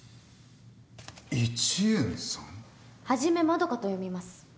・いちえんさん？はじめまどかと読みます。